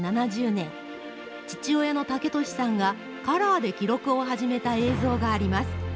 １９７０年、父親の武敏さんが、カラーで記録を始めた映像があります。